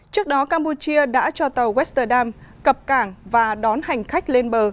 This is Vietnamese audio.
trước đó campuchia đã cho tàu westerdam cập cảng và đón hành khách lên bờ